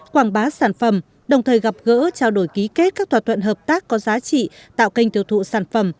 quảng bá sản phẩm đồng thời gặp gỡ trao đổi ký kết các thỏa thuận hợp tác có giá trị tạo kênh tiêu thụ sản phẩm